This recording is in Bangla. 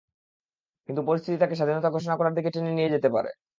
কিন্তু পরিস্থিতি তাঁকে স্বাধীনতা ঘোষণা করার দিকে টেনে নিয়ে যেতে পারে।